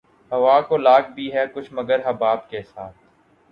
ہوا کو لاگ بھی ہے کچھ مگر حباب کے ساتھ